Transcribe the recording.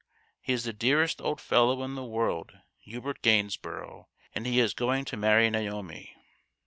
He is the dearest old fellow in the world Hubert Gainsborough and he is going to rnarry Naomi."